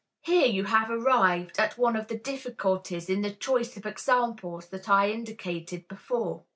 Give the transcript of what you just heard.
Here you have arrived at one of the difficulties in the choice of examples that I indicated before.